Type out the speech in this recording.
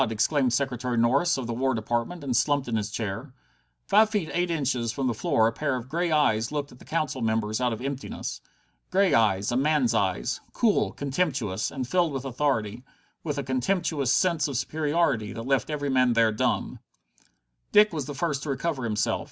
exclaimed Secretary Norris, of the War Department, and slumped in his chair. Five feet eight inches from the floor a pair of grey eyes looked at the Council members out of emptiness. Grey eyes, a man's eyes, cool, contemptuous, and filled with authority, with a contemptuous sense of superiority that left every man there dumb. Dick was the first to recover himself.